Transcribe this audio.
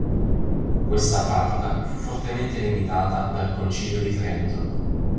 Questa pratica fu fortemente limitata dal Concilio di Trento.